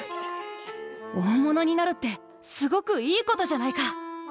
大物になるってすごくいいことじゃないか。